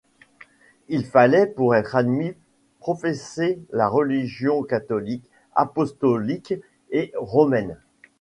Il fallait pour être admis, professer la religion catholique, apostolique et romaine.